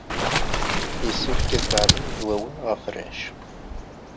Yessefk ad beɛden dwawi ɣef warrac.